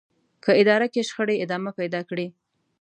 که اداره کې شخړې ادامه پيدا کړي.